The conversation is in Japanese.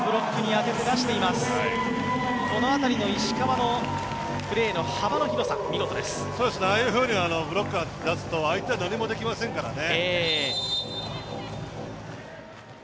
石川のプレーの幅の広さ、見事ですああいうふうにブロッカーを出すと相手は何もできませんからね。